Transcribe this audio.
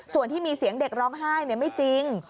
ส่วนที่มีเสียงเด็กร้องไห้ไม่จริง